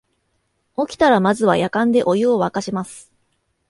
起きたらまずはやかんでお湯をわかします